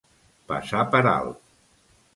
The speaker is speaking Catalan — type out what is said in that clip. Passar per alt.